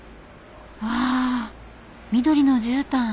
わあ緑のじゅうたん！